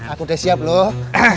aku udah siap loh